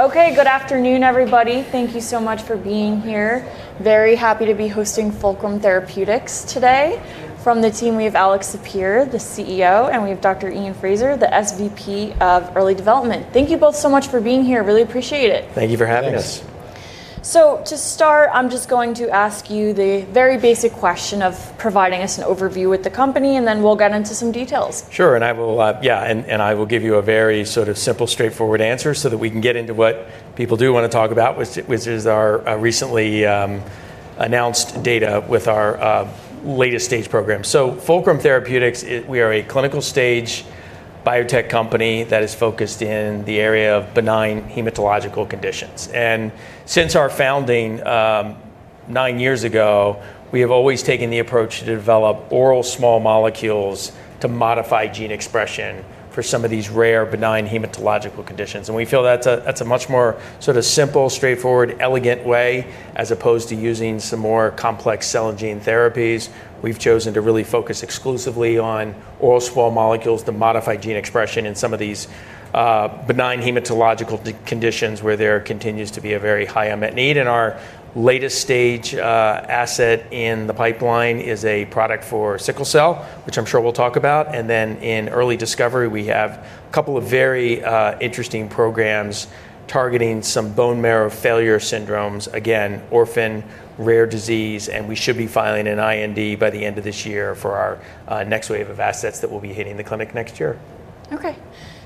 Okay, good afternoon, everybody. Thank you so much for being here. Very happy to be hosting Fulcrum Therapeutics today. From the team, we have Alex Sapir, the CEO, and we have Dr. Iain Fraser, the SVP of Early Development. Thank you both so much for being here. Really appreciate it. Thank you for having us. To start, I'm just going to ask you the very basic question of providing us an overview of the company, and then we'll get into some details. Sure, I will give you a very sort of simple, straightforward answer so that we can get into what people do want to talk about, which is our recently announced data with our latest stage program. Fulcrum Therapeutics, we are a clinical stage biotech company that is focused in the area of benign hematological conditions. Since our founding nine years ago, we have always taken the approach to develop oral small molecules to modify gene expression for some of these rare benign hematological conditions. We feel that's a much more sort of simple, straightforward, elegant way, as opposed to using some more complex cell and gene therapies. We've chosen to really focus exclusively on oral small molecules to modify gene expression in some of these benign hematological conditions where there continues to be a very high unmet need. Our latest stage asset in the pipeline is a product for sickle cell, which I'm sure we'll talk about. In early discovery, we have a couple of very interesting programs targeting some bone marrow failure syndromes, again, orphan, rare disease. We should be filing an IND by the end of this year for our next wave of assets that will be hitting the clinic next year. Okay.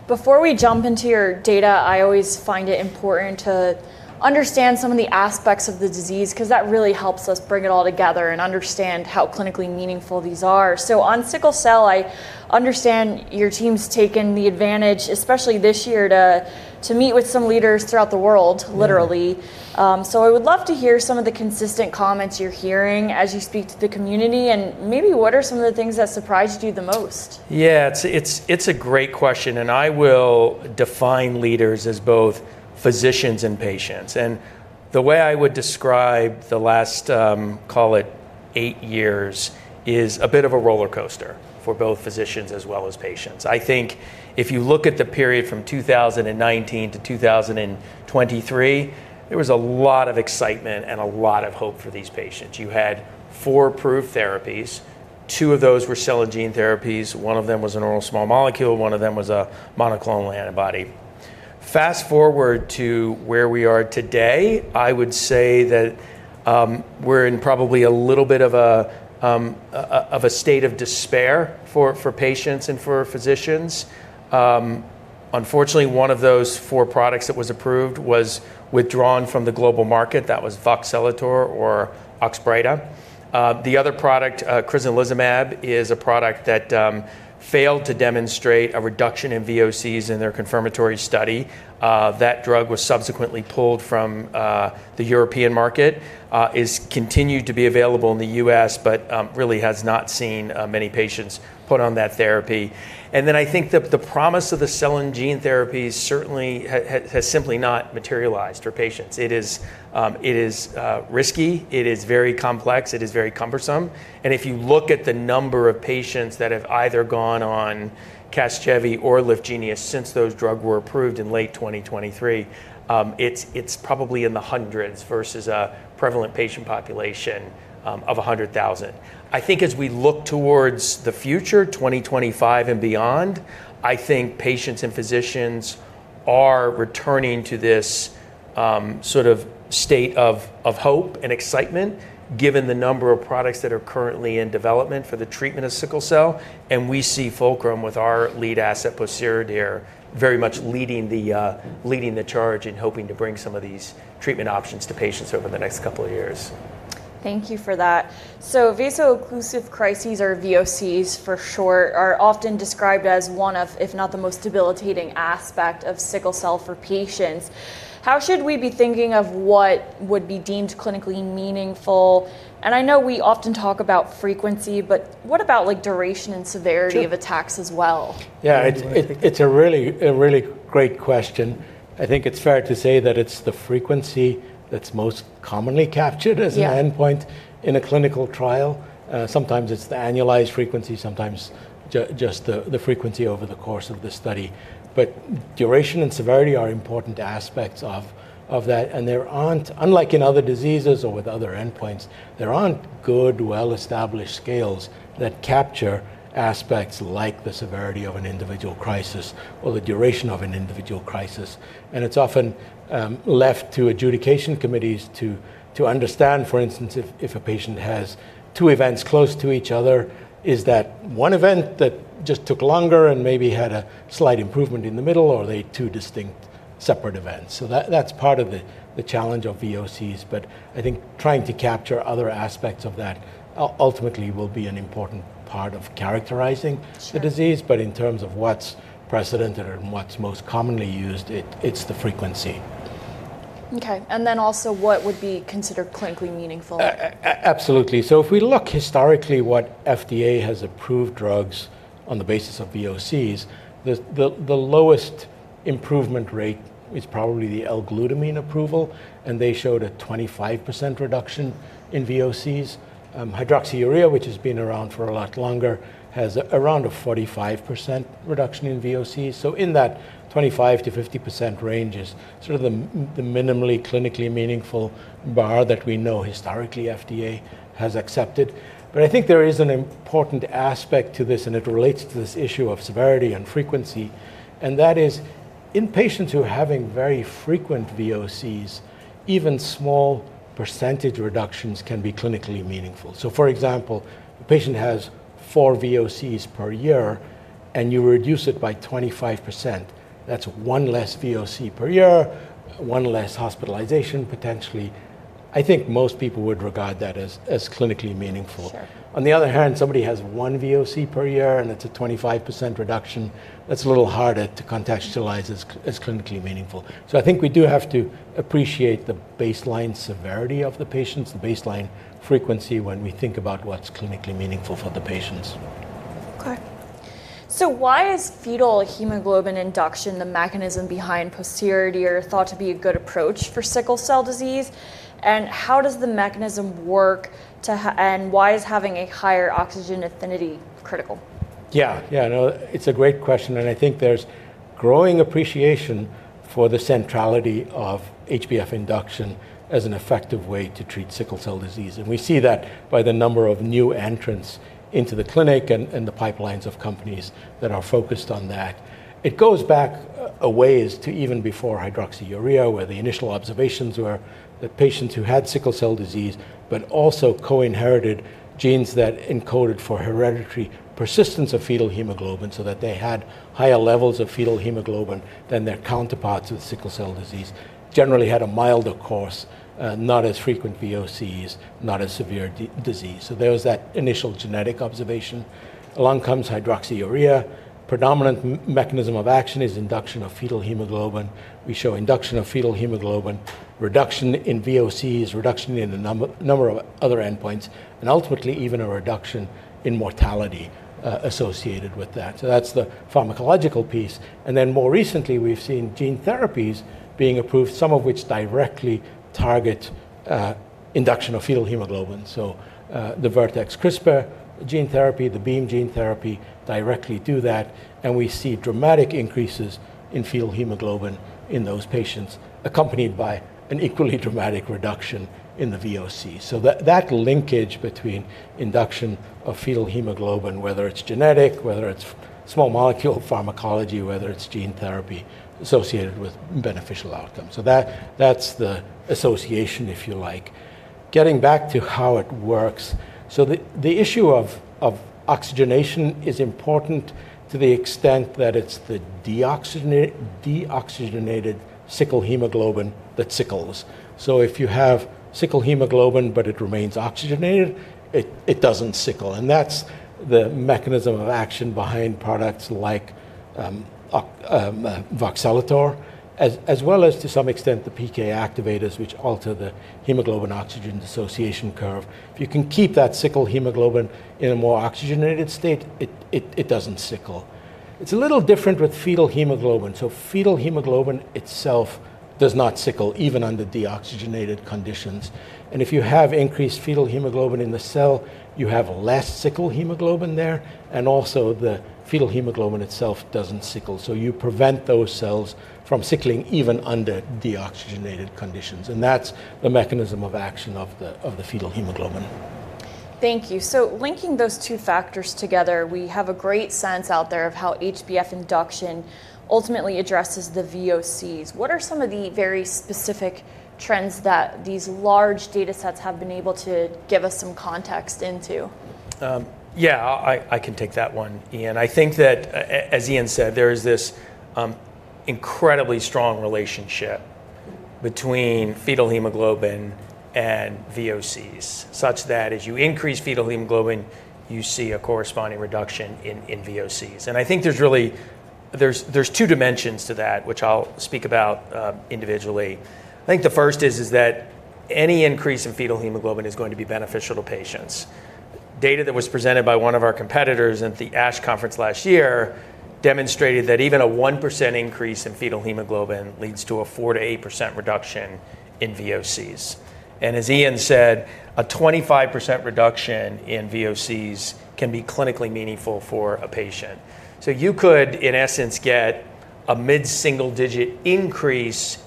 Before we jump into your data, I always find it important to understand some of the aspects of the disease because that really helps us bring it all together and understand how clinically meaningful these are. On sickle cell, I understand your team's taken the advantage, especially this year, to meet with some leaders throughout the world, literally. I would love to hear some of the consistent comments you're hearing as you speak to the community and maybe what are some of the things that surprised you the most? Yeah, it's a great question. I will define leaders as both physicians and patients. The way I would describe the last, call it, eight years is a bit of a roller coaster for both physicians as well as patients. I think if you look at the period from 2019- 2023, there was a lot of excitement and a lot of hope for these patients. You had four approved therapies. Two of those were cell and gene therapies. One of them was an oral small molecule. One of them was a monoclonal antibody. Fast forward to where we are today, I would say that we're in probably a little bit of a state of despair for patients and for physicians. Unfortunately, one of those four products that was approved was withdrawn from the global market. That was voxelotor or Oxbryta. The other product, crizanlizumab, is a product that failed to demonstrate a reduction in VOCs in their confirmatory study. That drug was subsequently pulled from the European market, is continued to be available in the U.S., but really has not seen many patients put on that therapy. I think that the promise of the cell and gene therapies certainly has simply not materialized for patients. It is risky. It is very complex. It is very cumbersome. If you look at the number of patients that have either gone on Casgevy or Lyfgenia since those drugs were approved in late 2023, it's probably in the hundreds versus a prevalent patient population of 100,000. I think as we look towards the future, 2025 and beyond, I think patients and physicians are returning to this sort of state of hope and excitement given the number of products that are currently in development for the treatment of sickle cell. We see Fulcrum with our lead asset, pociredir, very much leading the charge and hoping to bring some of these treatment options to patients over the next couple of years. Thank you for that. Vaso-occlusive crises, or VOCs for short, are often described as one of, if not the most debilitating aspect of sickle cell for patients. How should we be thinking of what would be deemed clinically meaningful? I know we often talk about frequency, but what about duration and severity of attacks as well? Yeah, it's a really, really great question. I think it's fair to say that it's the frequency that's most commonly captured as an endpoint in a clinical trial. Sometimes it's the annualized frequency, sometimes just the frequency over the course of the study. Duration and severity are important aspects of that. There aren't, unlike in other diseases or with other endpoints, good, well-established scales that capture aspects like the severity of an individual crisis or the duration of an individual crisis. It's often left to adjudication committees to understand, for instance, if a patient has two events close to each other, is that one event that just took longer and maybe had a slight improvement in the middle, or are they two distinct separate events? That's part of the challenge of VOCs. I think trying to capture other aspects of that ultimately will be an important part of characterizing the disease. In terms of what's precedented and what's most commonly used, it's the frequency. Okay. What would be considered clinically meaningful? Absolutely. If we look historically at what the FDA has approved drugs on the basis of VOCs, the lowest improvement rate is probably the L-glutamine approval. They showed a 25% reduction in VOCs. Hydroxyurea, which has been around for a lot longer, has around a 45% reduction in VOCs. In that 25%- 50% range is sort of the minimally clinically meaningful bar that we know historically the FDA has accepted. I think there is an important aspect to this, and it relates to this issue of severity and frequency. That is, in patients who are having very frequent VOCs, even small percentage reductions can be clinically meaningful. For example, a patient has four VOCs per year, and you reduce it by 25%. That's one less VOC per year, one less hospitalization potentially. I think most people would regard that as clinically meaningful. On the other hand, if somebody has one VOC per year, and it's a 25% reduction, that's a little harder to contextualize as clinically meaningful. I think we do have to appreciate the baseline severity of the patients, the baseline frequency when we think about what's clinically meaningful for the patients. Why is fetal hemoglobin induction the mechanism behind pociredir thought to be a good approach for sickle cell disease? How does the mechanism work, and why is having a higher oxygen affinity critical? Yeah, yeah, no, it's a great question. I think there's growing appreciation for the centrality of HbF induction as an effective way to treat sickle cell disease. We see that by the number of new entrants into the clinic and the pipelines of companies that are focused on that. It goes back a ways to even before hydroxyurea, where the initial observations were that patients who had sickle cell disease but also co-inherited genes that encoded for hereditary persistence of fetal hemoglobin, so that they had higher levels of fetal hemoglobin than their counterparts with sickle cell disease, generally had a milder course, not as frequent VOCs, not as severe disease. There was that initial genetic observation. Along comes hydroxyurea. The predominant mechanism of action is induction of fetal hemoglobin. We show induction of fetal hemoglobin, reduction in VOCs, reduction in the number of other endpoints, and ultimately even a reduction in mortality associated with that. That's the pharmacological piece. More recently, we've seen gene therapies being approved, some of which directly target induction of fetal hemoglobin. The Vertex CRISPR gene therapy, the Beam gene therapy directly do that. We see dramatic increases in fetal hemoglobin in those patients, accompanied by an equally dramatic reduction in the VOCs. That linkage between induction of fetal hemoglobin, whether it's genetic, whether it's small molecule pharmacology, whether it's gene therapy, is associated with beneficial outcomes. That's the association, if you like. Getting back to how it works, the issue of oxygenation is important to the extent that it's the deoxygenated sickle hemoglobin that sickles. If you have sickle hemoglobin but it remains oxygenated, it doesn't sickle. That's the mechanism of action behind products like voxelotor, as well as to some extent the PK activators, which alter the hemoglobin-oxygen dissociation curve. If you can keep that sickle hemoglobin in a more oxygenated state, it doesn't sickle. It's a little different with fetal hemoglobin. Fetal hemoglobin itself does not sickle, even under deoxygenated conditions. If you have increased fetal hemoglobin in the cell, you have less sickle hemoglobin there, and also the fetal hemoglobin itself doesn't sickle. You prevent those cells from sickling even under deoxygenated conditions. That's the mechanism of action of the fetal hemoglobin. Thank you. Linking those two factors together, we have a great sense out there of how HbF induction ultimately addresses the VOCs. What are some of the very specific trends that these large data sets have been able to give us some context into? Yeah, I can take that one, Iain. I think that, as Iain said, there is this incredibly strong relationship between fetal hemoglobin and VOCs, such that as you increase fetal hemoglobin, you see a corresponding reduction in VOCs. I think there's really, there's two dimensions to that, which I'll speak about individually. I think the first is that any increase in fetal hemoglobin is going to be beneficial to patients. Data that was presented by one of our competitors at the ASH conference last year demonstrated that even a 1% increase in fetal hemoglobin leads to a 4%- 8% reduction in VOCs. As Iain said, a 25% reduction in VOCs can be clinically meaningful for a patient. You could, in essence, get a mid-single-digit increase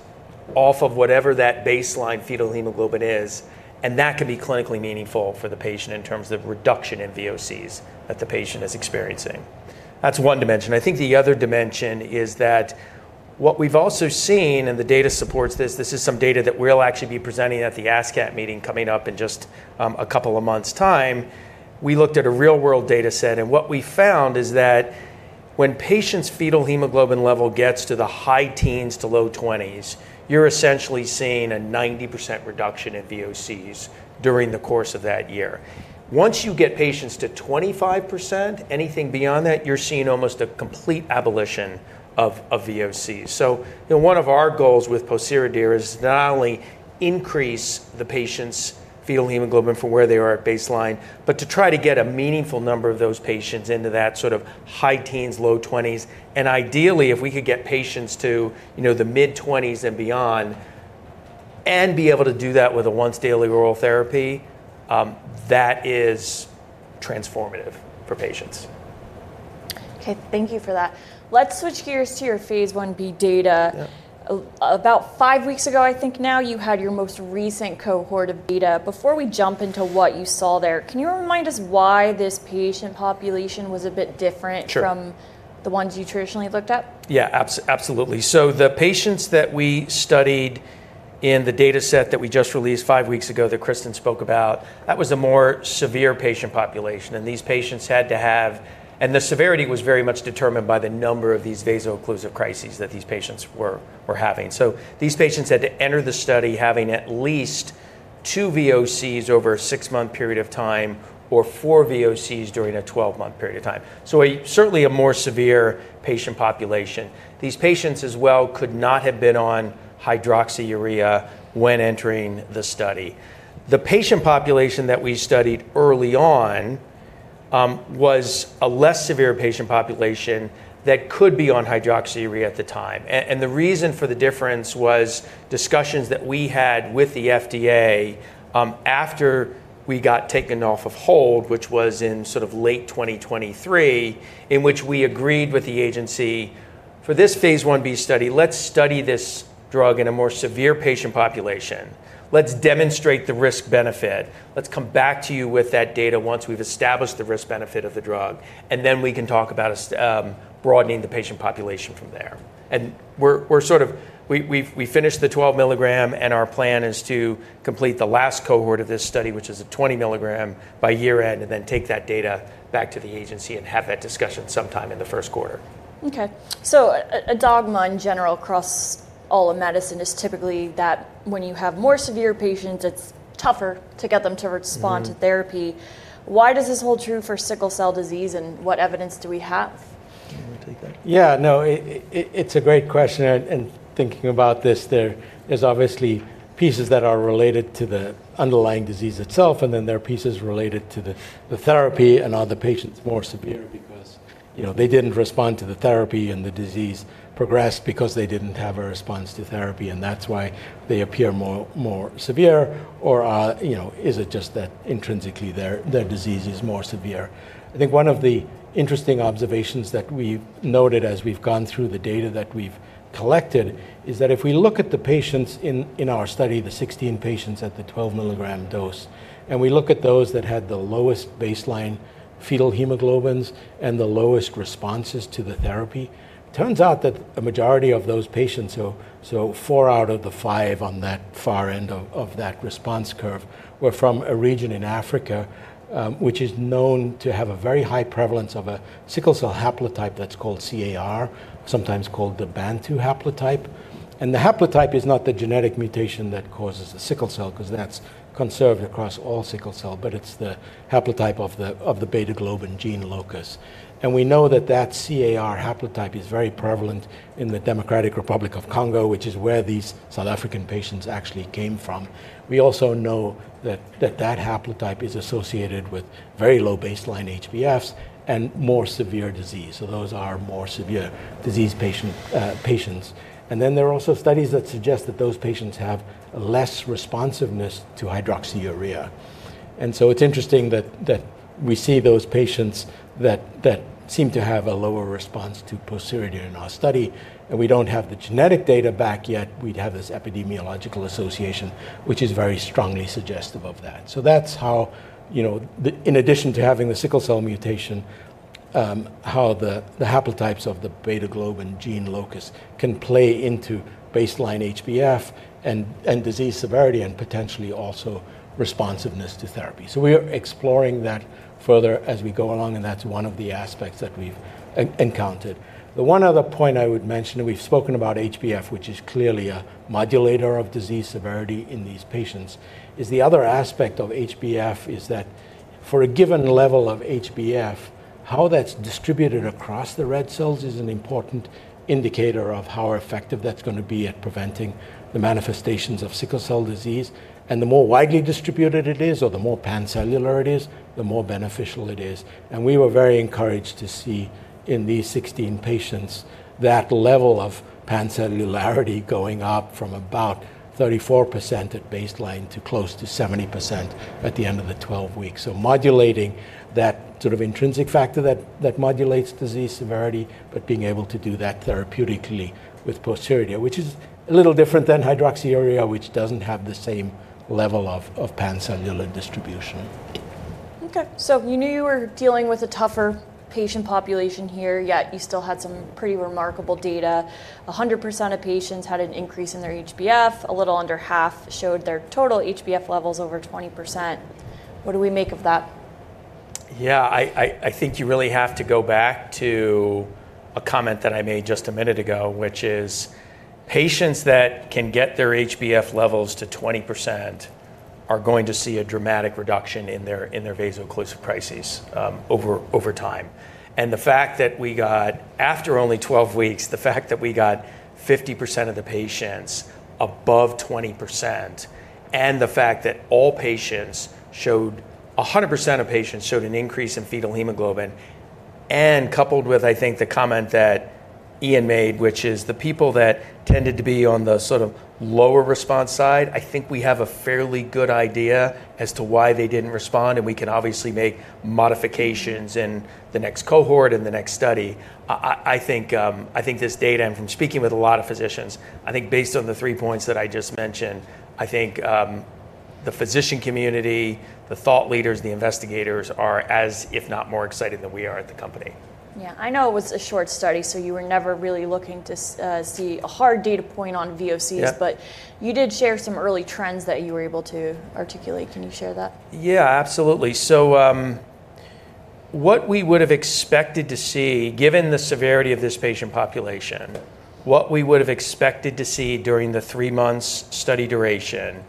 off of whatever that baseline fetal hemoglobin is, and that could be clinically meaningful for the patient in terms of reduction in VOCs that the patient is experiencing. That's one dimension. I think the other dimension is that what we've also seen, and the data supports this, this is some data that we'll actually be presenting at the ASCAT meeting coming up in just a couple of months' time. We looked at a real-world data set, and what we found is that when patients' fetal hemoglobin level gets to the high teens to low 20s, you're essentially seeing a 90% reduction in VOCs during the course of that year. Once you get patients to 25%, anything beyond that, you're seeing almost a complete abolition of VOCs. One of our goals with pociredir is not only to increase the patient's fetal hemoglobin from where they are at baseline, but to try to get a meaningful number of those patients into that sort of high teens, low 20s. Ideally, if we could get patients to, you know, the mid-20s and beyond and be able to do that with a once-daily oral therapy, that is transformative for patients. Okay, thank you for that. Let's switch gears to your phase 1B data. About five weeks ago, I think now you had your most recent cohort of data. Before we jump into what you saw there, can you remind us why this patient population was a bit different from the ones you traditionally looked at? Yeah, absolutely. The patients that we studied in the data set that we just released five weeks ago, that Kristen spoke about, that was a more severe patient population. These patients had to have, and the severity was very much determined by the number of these vaso-occlusive crises that these patients were having. These patients had to enter the study having at least two VOCs over a six-month period of time or four VOCs during a 12-month period of time. Certainly a more severe patient population. These patients as well could not have been on hydroxyurea when entering the study. The patient population that we studied early on was a less severe patient population that could be on hydroxyurea at the time. The reason for the difference was discussions that we had with the FDA after we got taken off of hold, which was in late 2023, in which we agreed with the agency for this phase 1B study, let's study this drug in a more severe patient population. Let's demonstrate the risk-benefit. Let's come back to you with that data once we've established the risk-benefit of the drug. Then we can talk about broadening the patient population from there. We're sort of, we finished the 12 milligram, and our plan is to complete the last cohort of this study, which is a 20 milligram by year-end, and then take that data back to the agency and have that discussion sometime in the first quarter. A dogma in general across all of medicine is typically that when you have more severe patients, it's tougher to get them to respond to therapy. Why does this hold true for sickle cell disease, and what evidence do we have? Yeah, no, it's a great question. Thinking about this, there are obviously pieces that are related to the underlying disease itself, and then there are pieces related to the therapy. Are the patients more severe because, you know, they didn't respond to the therapy, and the disease progressed because they didn't have a response to therapy, and that's why they appear more severe, or is it just that intrinsically their disease is more severe? I think one of the interesting observations that we've noted as we've gone through the data that we've collected is that if we look at the patients in our study, the 16 patients at the 12 mg dose, and we look at those that had the lowest baseline fetal hemoglobins and the lowest responses to the therapy, it turns out that a majority of those patients, so four out of the five on that far end of that response curve, were from a region in Africa, which is known to have a very high prevalence of a sickle cell haplotype that's called CAR, sometimes called the Bantu haplotype. The haplotype is not the genetic mutation that causes sickle cell because that's conserved across all sickle cells, but it's the haplotype of the beta globin gene locus. We know that the CAR haplotype is very prevalent in the Democratic Republic of Congo, which is where these South African patients actually came from. We also know that haplotype is associated with very low baseline HbFs and more severe disease. Those are more severe disease patients. There are also studies that suggest that those patients have less responsiveness to hydroxyurea. It's interesting that we see those patients that seem to have a lower response to pociredir in our study. We don't have the genetic data back yet. We have this epidemiological association, which is very strongly suggestive of that. In addition to having the sickle cell mutation, the haplotypes of the beta globin gene locus can play into baseline HbF and disease severity and potentially also responsiveness to therapy. We're exploring that further as we go along, and that's one of the aspects that we've encountered. The one other point I would mention, and we've spoken about HbF, which is clearly a modulator of disease severity in these patients, is the other aspect of HbF is that for a given level of HbF, how that's distributed across the red cells is an important indicator of how effective that's going to be at preventing the manifestations of sickle cell disease. The more widely distributed it is, or the more pancellular it is, the more beneficial it is. We were very encouraged to see in these 16 patients that level of pancellularity going up from about 34% at baseline to close to 70% at the end of the 12 weeks. Modulating that sort of intrinsic factor that modulates disease severity, but being able to do that therapeutically with pociredir, which is a little different than hydroxyurea, which doesn't have the same level of pancellular distribution. Okay, so you knew you were dealing with a tougher patient population here, yet you still had some pretty remarkable data. 100% of patients had an increase in their HbF, a little under half showed their total HbF levels over 20%. What do we make of that? Yeah, I think you really have to go back to a comment that I made just a minute ago, which is patients that can get their HbF levels to 20% are going to see a dramatic reduction in their vaso-occlusive crises over time. The fact that we got, after only 12 weeks, 50% of the patients above 20%, and the fact that all patients showed, 100% of patients showed an increase in fetal hemoglobin, coupled with, I think, the comment that Iain made, which is the people that tended to be on the sort of lower response side, I think we have a fairly good idea as to why they didn't respond, and we can obviously make modifications in the next cohort and the next study. I think this data, and from speaking with a lot of physicians, I think based on the three points that I just mentioned, the physician community, the thought leaders, the investigators are as, if not more, excited than we are at the company. Yeah, I know it was a short study, so you were never really looking to see a hard data point on VOCs, but you did share some early trends that you were able to articulate. Can you share that? Yeah, absolutely. What we would have expected to see, given the severity of this patient population, what we would have expected to see during the three months' study duration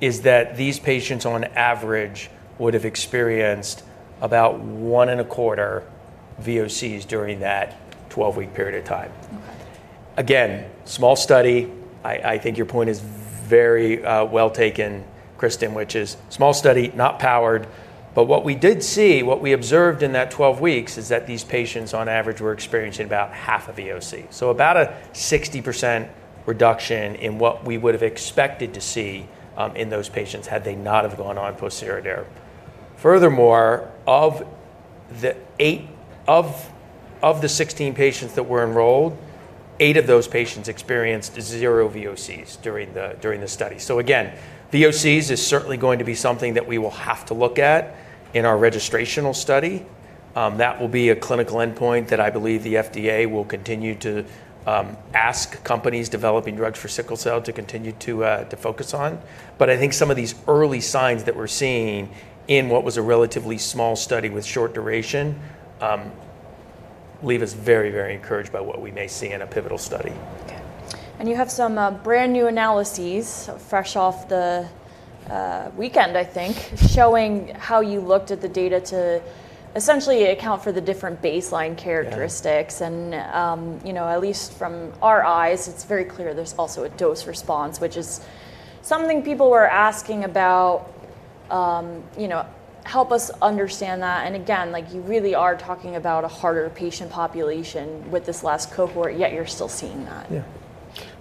is that these patients, on average, would have experienced about one and a quarter VOCs during that 12-week period of time. Again, small study. I think your point is very well taken, Kristen, which is small study, not powered, but what we did see, what we observed in that 12 weeks is that these patients, on average, were experiencing about half a VOC. About a 60% reduction in what we would have expected to see in those patients had they not have gone on pociredir. Furthermore, of the 16 patients that were enrolled, eight of those patients experienced zero VOCs during the study. VOCs is certainly going to be something that we will have to look at in our registrational study. That will be a clinical endpoint that I believe the FDA will continue to ask companies developing drugs for sickle cell to continue to focus on. I think some of these early signs that we're seeing in what was a relatively small study with short duration leave us very, very encouraged by what we may see in a pivotal study. You have some brand new analyses fresh off the weekend, I think, showing how you looked at the data to essentially account for the different baseline characteristics. At least from our eyes, it's very clear there's also a dose response, which is something people were asking about. Help us understand that. You really are talking about a harder patient population with this last cohort, yet you're still seeing that.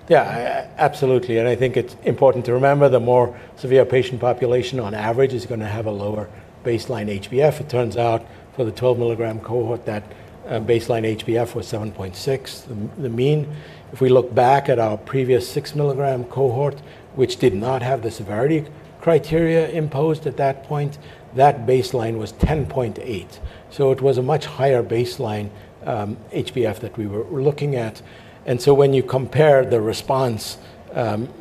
Yeah, absolutely. I think it's important to remember the more severe patient population on average is going to have a lower baseline HbF. It turns out for the 12 mg cohort, that baseline HbF was 7.6, the mean. If we look back at our previous 6 mg cohort, which did not have the severity criteria imposed at that point, that baseline was 10.8. It was a much higher baseline HbF that we were looking at. When you compare the response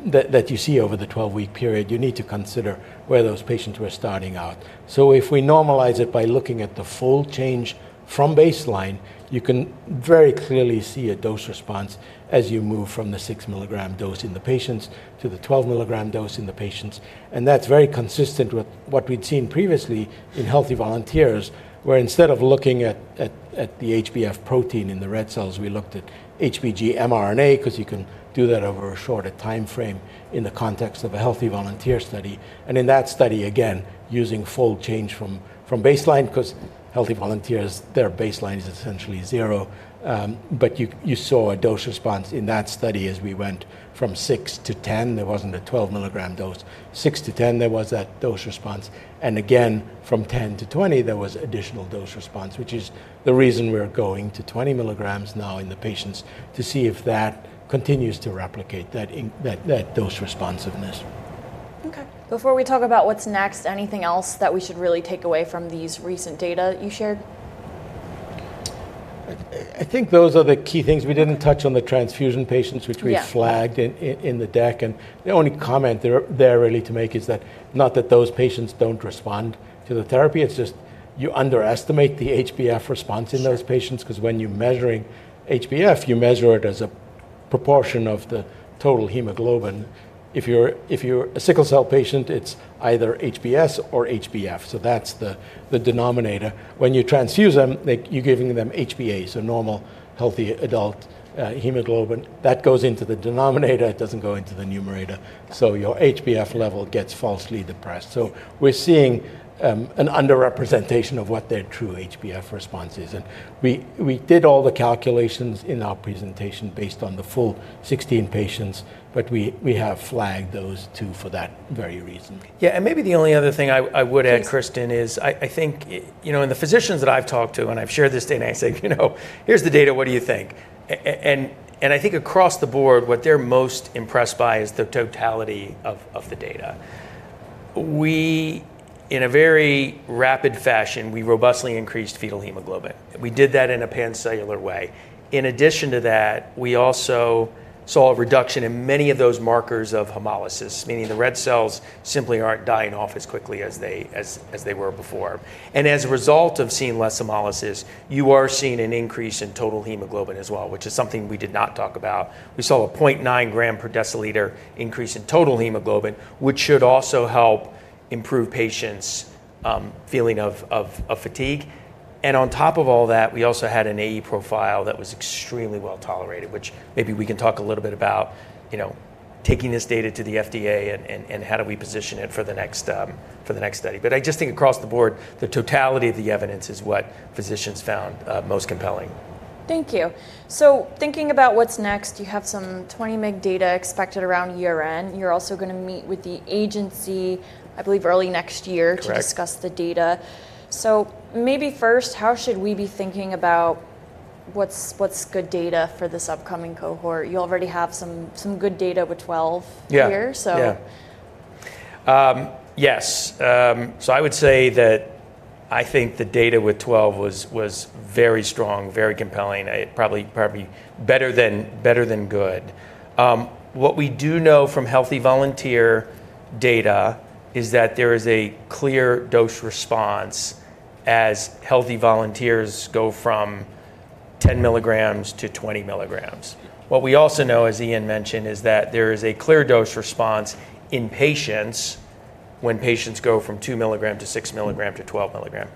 that you see over the 12-week period, you need to consider where those patients were starting out. If we normalize it by looking at the fold change from baseline, you can very clearly see a dose response as you move from the 6 mg dose in the patients to the 12 mg dose in the patients. That's very consistent with what we'd seen previously in healthy volunteers, where instead of looking at the HbF protein in the red cells, we looked at HBG mRNA because you can do that over a shorter timeframe in the context of a healthy volunteer study. In that study, again, using fold change from baseline, because healthy volunteers, their baseline is essentially zero. You saw a dose response in that study as we went from 6 to 10. There wasn't a 12 mg dose. From 6 to 10, there was that dose response. Again, from 10 to 20, there was additional dose response, which is the reason we're going to 20 mg now in the patients to see if that continues to replicate that dose responsiveness. Okay. Before we talk about what's next, anything else that we should really take away from these recent data you shared? I think those are the key things. We didn't touch on the transfusion patients, which we flagged in the deck. The only comment there really to make is that not that those patients don't respond to the therapy. It's just you underestimate the HbF response in those patients, because when you're measuring HbF, you measure it as a proportion of the total hemoglobin. If you're a sickle cell patient, it's either HbS or HbF. That's the denominator. When you transfuse them, you're giving them HbA, so normal healthy adult hemoglobin. That goes into the denominator. It doesn't go into the numerator. Your HbF level gets falsely depressed. We're seeing an underrepresentation of what their true HbF response is. We did all the calculations in our presentation based on the full 16 patients, but we have flagged those two for that very reason. Yeah, and maybe the only other thing I would add, Kristen, is I think, you know, in the physicians that I've talked to, when I've shared this data, I say, you know, here's the data. What do you think? I think across the board, what they're most impressed by is the totality of the data. We, in a very rapid fashion, robustly increased fetal hemoglobin. We did that in a pancellular way. In addition to that, we also saw a reduction in many of those markers of hemolysis, meaning the red cells simply aren't dying off as quickly as they were before. As a result of seeing less hemolysis, you are seeing an increase in total hemoglobin as well, which is something we did not talk about. We saw a 0.9 g/ dL increase in total hemoglobin, which should also help improve patients' feeling of fatigue. On top of all that, we also had an AE profile that was extremely well tolerated, which maybe we can talk a little bit about, you know, taking this data to the FDA and how do we position it for the next study. I just think across the board, the totality of the evidence is what physicians found most compelling. Thank you. Thinking about what's next, you have some 20 meg data expected around year-end. You're also going to meet with the agency, I believe, early next year to discuss the data. Maybe first, how should we be thinking about what's good data for this upcoming cohort? You already have some good data with 12 here. Yes. I would say that I think the data with 12 was very strong, very compelling. It's probably better than good. What we do know from healthy volunteer data is that there is a clear dose response as healthy volunteers go from 10 mg to 20 mg. What we also know, as Iain mentioned, is that there is a clear dose response in patients when patients go from 2 mg to 6 mg to 12 mg.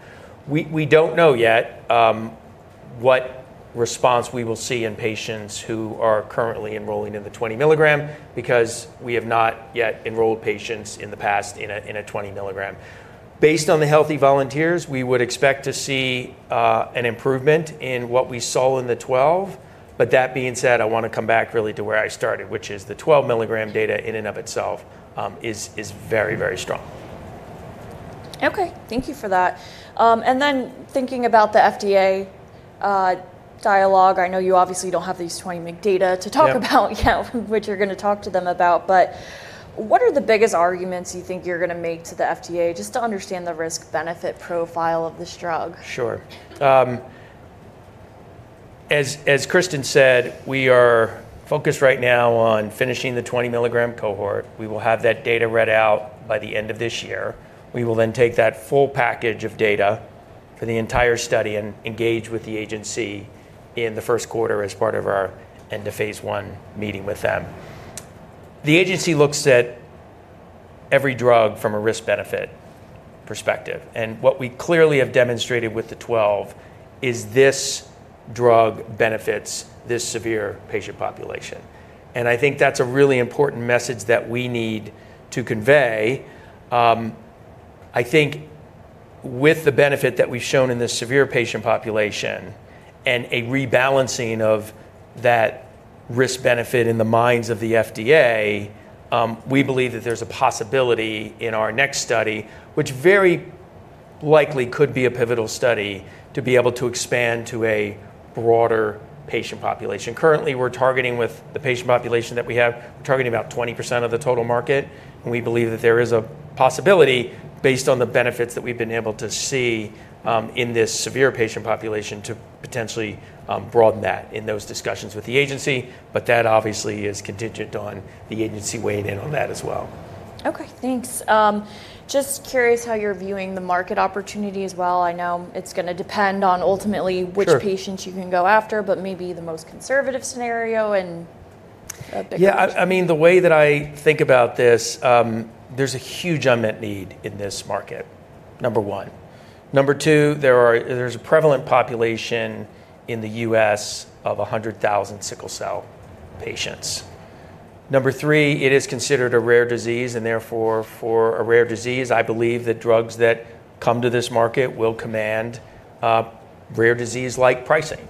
We don't know yet what response we will see in patients who are currently enrolling in the 20 mg because we have not yet enrolled patients in the past in a 20 mg. Based on the healthy volunteers, we would expect to see an improvement in what we saw in the 12. That being said, I want to come back really to where I started, which is the 12 mg data in and of itself is very, very strong. Okay, thank you for that. Thinking about the FDA dialogue, I know you obviously don't have these 20 meg data to talk about, you know, which you're going to talk to them about. What are the biggest arguments you think you're going to make to the FDA just to understand the risk-benefit profile of this drug? Sure. As Kristen said, we are focused right now on finishing the 20 mg cohort. We will have that data read out by the end of this year. We will then take that full package of data for the entire study and engage with the agency in the first quarter as part of our end-of-phase one meeting with them. The agency looks at every drug from a risk-benefit perspective. What we clearly have demonstrated with the 12 is this drug benefits this severe patient population. I think that's a really important message that we need to convey. I think with the benefit that we've shown in this severe patient population and a rebalancing of that risk-benefit in the minds of the FDA, we believe that there's a possibility in our next study, which very likely could be a pivotal study to be able to expand to a broader patient population. Currently, we're targeting with the patient population that we have, we're targeting about 20% of the total market. We believe that there is a possibility based on the benefits that we've been able to see in this severe patient population to potentially broaden that in those discussions with the agency. That obviously is contingent on the agency weighing in on that as well. Okay, thanks. Just curious how you're viewing the market opportunity as well. I know it's going to depend on ultimately which patients you can go after, but maybe the most conservative scenario and a bigger one. Yeah, I mean, the way that I think about this, there's a huge unmet need in this market, number one. Number two, there's a prevalent population in the U.S. of 100,000 sickle cell patients. Number three, it is considered a rare disease, and therefore for a rare disease, I believe that drugs that come to this market will command rare disease-like pricing.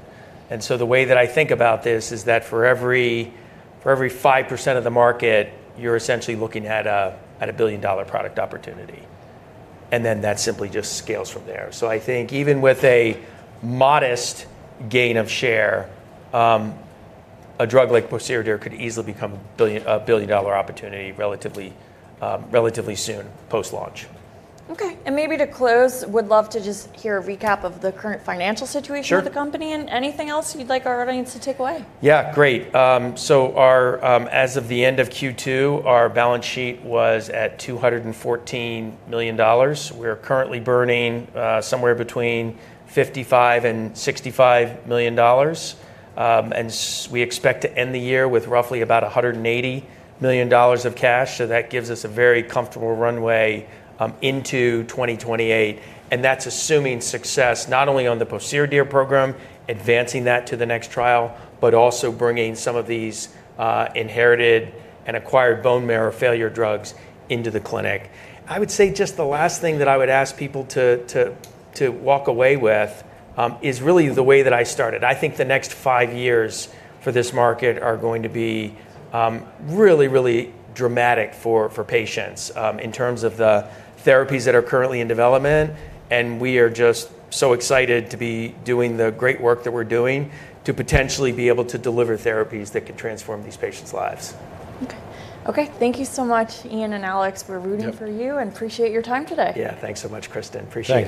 The way that I think about this is that for every 5% of the market, you're essentially looking at a $1 billion product opportunity. That simply just scales from there. I think even with a modest gain of share, a drug like pociredir could easily become a $1 billion opportunity relatively soon post-launch. Okay, maybe to close, we'd love to just hear a recap of the current financial situation of the company and anything else you'd like our audience to take away. Great. As of the end of Q2, our balance sheet was at $214 million. We're currently burning somewhere between $55 million and $65 million, and we expect to end the year with roughly about $180 million of cash. That gives us a very comfortable runway into 2028. That's assuming success not only on the pociredir program, advancing that to the next trial, but also bringing some of these inherited and acquired bone marrow failure drugs into the clinic. I would say just the last thing that I would ask people to walk away with is really the way that I started. I think the next five years for this market are going to be really, really dramatic for patients in terms of the therapies that are currently in development. We are just so excited to be doing the great work that we're doing to potentially be able to deliver therapies that could transform these patients' lives. Okay, okay, thank you so much, Iain and Alex. We're rooting for you and appreciate your time today. Yeah, thanks so much, Kristen. Appreciate it.